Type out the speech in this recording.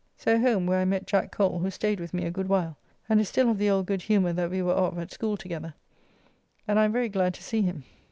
So home, where I met Jack Cole, who staid with me a good while, and is still of the old good humour that we were of at school together, and I am very glad to see him.